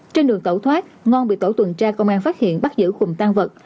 trên đường tẩu thoát ngon bị tổ tuần tra công an phát hiện bắt giữ cùng tan vật